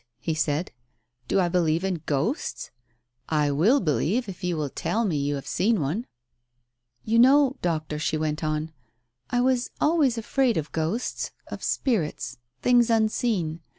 he said. "Do I'believe in ghosts? I will believe you if you will tell me you have seen one." "You know, Doctor," she went on, "I was always afraid of ghosts — of spirits — things unseen.